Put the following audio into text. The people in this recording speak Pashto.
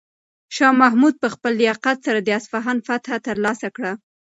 شاه محمود په خپل لیاقت سره د اصفهان فتحه ترلاسه کړه.